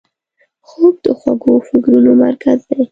خوب د خوږو فکرونو مرکز دی